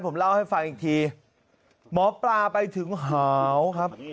ฟังอีกทีหมอปลาไปถึงหาวครับ